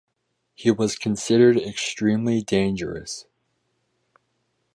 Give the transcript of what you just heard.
He was considered extremely dangerous.